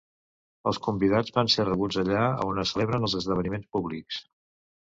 Els convidats van ser rebuts allà on es celebren els esdeveniments públics.